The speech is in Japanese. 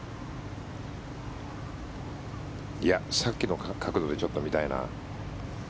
さっきの角度でちょっと見たいな。